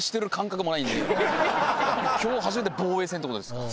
今日初めて防衛戦って事ですから。